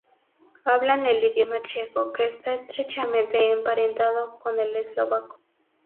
Hablan el idioma checo, que está estrechamente emparentado con el eslovaco.